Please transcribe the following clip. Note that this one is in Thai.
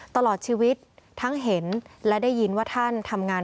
ตลอดชีวิตทั้งเห็นและได้ยินว่าท่านทำงาน